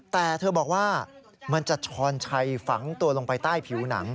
แต่เธอบอกว่ามันจะช้อนชัยฝังตัวลงไปใต้ผิวหนัง